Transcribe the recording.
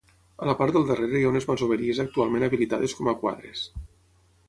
A la part del darrere hi ha unes masoveries actualment habilitades com a quadres.